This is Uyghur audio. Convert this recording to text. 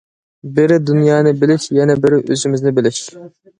بىرى دۇنيانى بىلىش، يەنە بىرى ئۆزىمىزنى بىلىش.